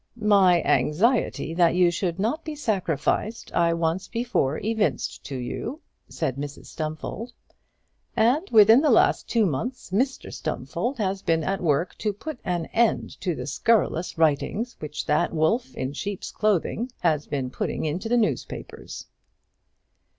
"My anxiety that you should not be sacrificed I once before evinced to you," said Mrs Stumfold; "and within the last two months Mr Stumfold has been at work to put an end to the scurrilous writings which that wolf in sheep's clothing has been putting into the newspapers."